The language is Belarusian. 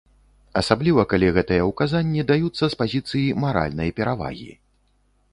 Асабліва калі гэтыя ўказанні даюцца з пазіцыі маральнай перавагі.